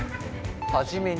「初めに」。